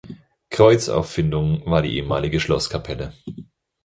Kreuzauffindung war die ehemalige Schlosskapelle.